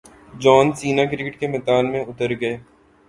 جان Cena cricket کے میدان میں اتر گئے